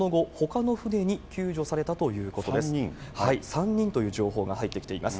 ３人という情報が入ってきております。